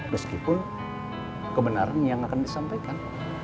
meskipun kebenaran yang akan disampaikan